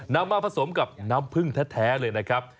นำมาผสมกับน้ำผึ้งแท้เลยนะครับ